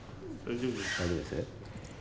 大丈夫です？